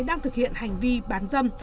đang thực hiện hành vi bán dâm